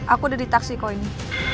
aku udah di taksi kok ini